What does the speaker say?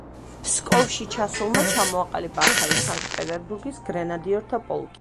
ფსკოვში ჩასულმა ჩამოაყალიბა ახალი „სანკტ-პეტერბურგის გრენადიორთა პოლკი“.